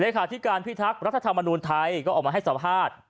ขาธิการพิทักษ์รัฐธรรมนูญไทยก็ออกมาให้สัมภาษณ์